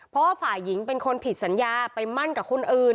เพราะว่าฝ่ายหญิงเป็นคนผิดสัญญาไปมั่นกับคนอื่น